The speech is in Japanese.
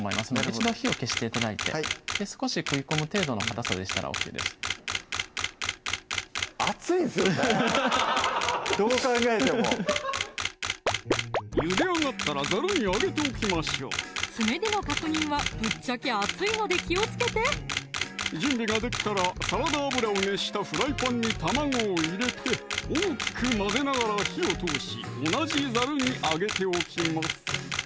一度火を消して頂いて少し食い込む程度のかたさでしたらＯＫです熱いんすよねどう考えてもゆで上がったらざるにあげておきましょう爪での確認はぶっちゃけ熱いので気をつけて準備ができたらサラダ油を熱したフライパンに卵を入れて大きく混ぜながら火を通し同じざるにあげておきます